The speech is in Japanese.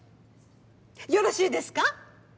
よろしいですか？